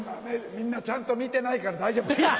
みんなちゃんと見てないから大丈夫。